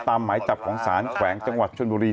หมายจับของสารแขวงจังหวัดชนบุรี